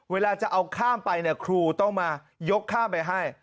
เวลาจะเอาข้ามไปเนี่ยครูต้องมายกข้ามไปให้